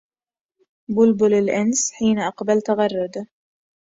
بلبل الأنس حين أقبلت غرد